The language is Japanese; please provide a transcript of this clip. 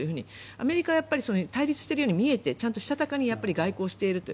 アメリカは対立しているように見えて、ちゃんとしたたかに外交をしていると。